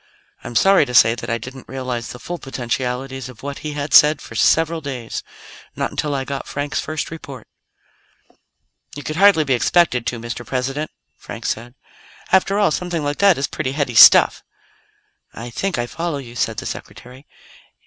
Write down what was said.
"I'm sorry to say that I didn't realize the full potentialities of what he had said for several days not until I got Frank's first report." "You could hardly be expected to, Mr. President," Frank said. "After all, something like that is pretty heady stuff." "I think I follow you," said the Secretary.